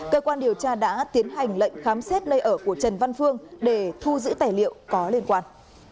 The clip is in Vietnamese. cơ quan điều tra đã tiến hành lệnh khám xét nơi ở của trần văn phương để thu giữ tài liệu có liên quan